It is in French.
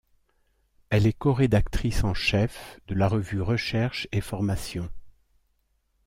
Elle est corédactrice en chef de la revue Recherche & formation.